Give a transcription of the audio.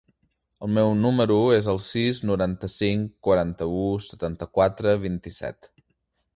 El meu número es el sis, noranta-cinc, quaranta-u, setanta-quatre, vint-i-set.